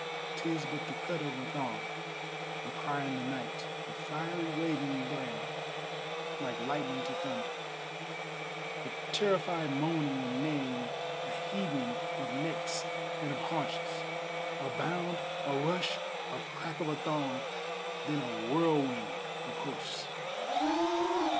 'Tis but the cut of a thong, a cry in the night, A fiery waving brand like lightning to thunder, A terrified moaning and neighing, a heaving of necks and of haunches; A bound, a rush, a crack of a thong, then a whirlwind of hoofs!